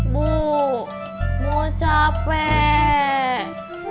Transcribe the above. bu mau capek